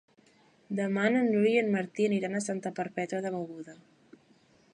Demà na Núria i en Martí aniran a Santa Perpètua de Mogoda.